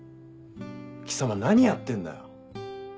貴様何やってんだよ。